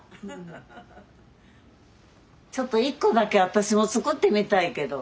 ちょっと１個だけ私も作ってみたいけど。